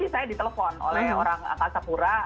saya ditelepon oleh orang angkasa pura